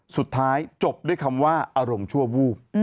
สุดท้ายจบด้วยคำว่าอารมณ์ชั่ววูบ